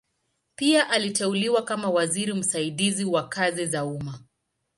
Pia aliteuliwa kama waziri msaidizi wa kazi za umma.